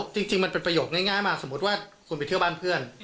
จริงมันเป็นประโยคง่ายมาสมมุติว่าคุณไปเที่ยวบ้านเพื่อน